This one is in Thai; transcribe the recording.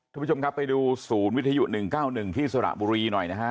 ท่านผู้ชมครับไปดูศูนย์วิทยุ๑๙๑ที่สระบุรีหน่อยนะฮะ